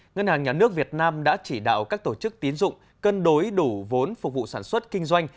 ngân hàng nhà nước việt nam đã chỉ đạo các tổ chức tiến dụng cân đối đủ vốn phục vụ sản xuất kinh doanh